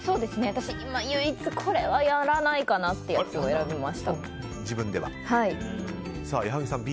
私、唯一これはやらないかなってやつを矢作さん、Ｂ。